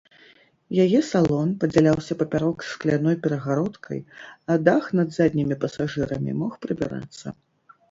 Яе салон падзяляўся папярок шкляной перагародкай, а дах над заднімі пасажырамі мог прыбірацца.